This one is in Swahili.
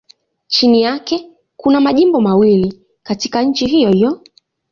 Chini yake kuna majimbo mawili katika nchi hiyohiyo.